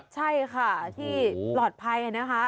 ใช่ค่ะและที่รอดภัยนะคะ